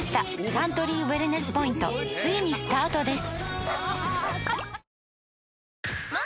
サントリーウエルネスポイントついにスタートです！